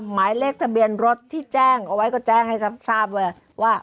หมายเลขทะเบียนรถที่แจ้งเอาไว้ก็แจ้งให้ทราบเลยว่า